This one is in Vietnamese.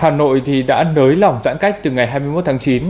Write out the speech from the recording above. hà nội đã nới lỏng giãn cách từ ngày hai mươi một tháng chín